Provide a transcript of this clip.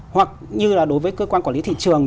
hoặc như là đối với cơ quan quản lý thị trường